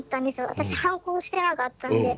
私はんこ押してなかったんで。